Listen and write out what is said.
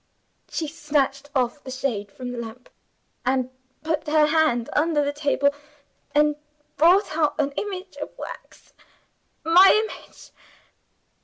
She snatched off the shade from the lamp, and put her hand under the table, and brought out an image of wax. My image!